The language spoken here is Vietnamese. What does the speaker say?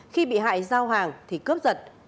khi bị hại giao hàng thì cướp giật